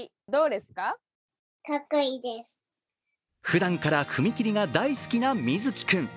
ふだんから踏切が大好きなみずき君。